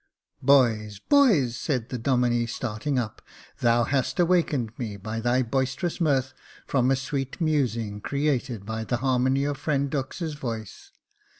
" Boys ! boys !" said the Domine, starting up, " thou hast awakened me, by thy boisterous mirth, from a sweet musing created by the har mony of friend Dux's voice.